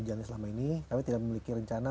jalannya selama ini kami tidak memiliki rencana